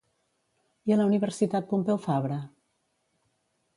I a la Universitat Pompeu Fabra?